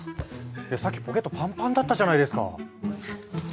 さっきポケットパンパンだったじゃないですか！